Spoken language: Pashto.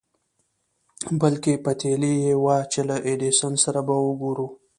بلکې پتېيلې يې وه چې له ايډېسن سره به ګوري.